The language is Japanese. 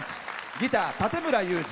ギター、館村雄二。